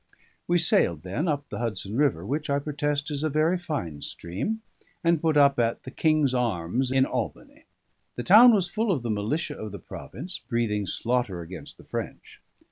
We sailed then, up the Hudson River, which, I protest, is a very fine stream, and put up at the "King's Arms" in Albany. The town was full of the militia of the province, breathing slaughter against the French.